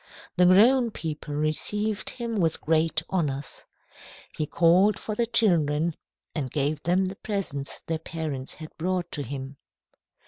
The grown people received him with great honours. He called for the children and gave them the presents their parents had brought to him.